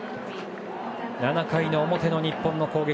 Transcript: ７回の表の日本の攻撃。